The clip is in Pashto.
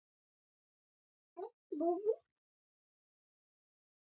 تا چی سر په چا دو کړۍ، هغه غواړی چی ما لوټ کړی